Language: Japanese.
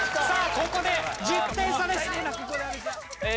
さあここで１０点差です。